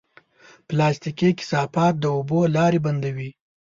پلاستيکي کثافات د اوبو لارې بندوي.